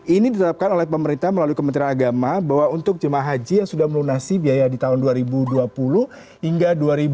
ini ditetapkan oleh pemerintah melalui kementerian agama bahwa untuk jemaah haji yang sudah melunasi biaya di tahun dua ribu dua puluh hingga dua ribu dua puluh